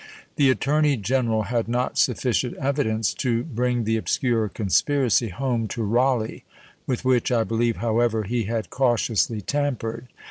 The attorney general had not sufficient evidence to bring the obscure conspiracy home to Rawleigh, with which, I believe, however, he had cautiously tampered.